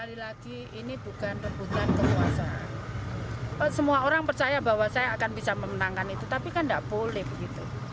sekali lagi ini bukan rebutan kekuasaan semua orang percaya bahwa saya akan bisa memenangkan itu tapi kan tidak boleh begitu